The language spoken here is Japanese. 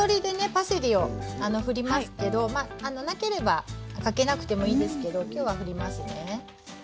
パセリをふりますけどなければかけなくてもいいですけど今日はふりますね。